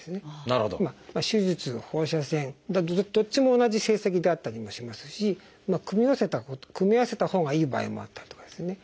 手術放射線どっちも同じ成績であったりもしますし組み合わせたほうがいい場合もあったりとかですね